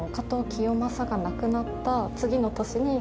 清正が亡くなった次の年。